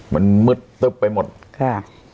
มันมืดตึ๊บไปหมดค่ะ